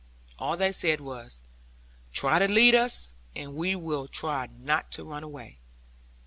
All they said was 'Try to lead us; and we will try not to run away.'